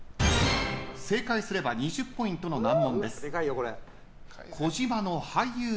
正解すれば２０ポイントの難問。